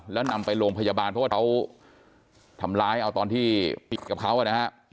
แล้วนำไปโรงพยาบาลเพราะว่าเขาทำร้ายเอาตอนที่ปิดกับเขานะฮะ